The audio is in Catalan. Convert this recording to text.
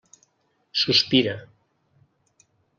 Sospira.